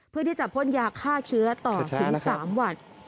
เพื่อที่จะพ่นยาฆ่าเชื้อต่อถึง๓วัน